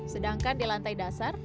sedangkan di lantai dasar